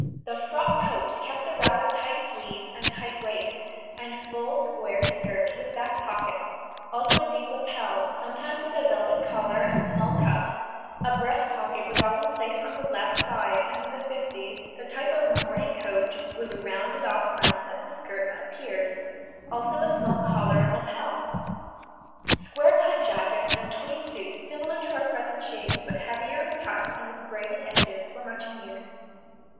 The frock coat kept the rather tight sleeves and tight waist, and full square skirt, with back pockets, also a deep lapel, sometimes with a velvet collar, and small cuffs; a breast pocket was often placed on the left side, and in the fifties the type of morning coat with rounded off fronts at the skirt appeared, also a small collar and lapel. Square cut jackets and tweed suits similar to our present shapes, but heavier in cut and with braided edges, were much in use.